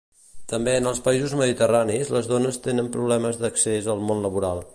També en els països mediterranis les dones tenen problemes d'accés al món laboral.